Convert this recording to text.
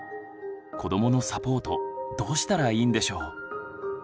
子どものサポートどうしたらいいんでしょう？